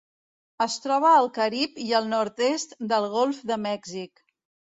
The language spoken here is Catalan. Es troba al Carib i el nord-est del Golf de Mèxic.